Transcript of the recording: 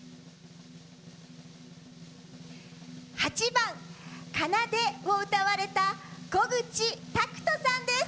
８番「奏」を歌われた小口拓利さんです！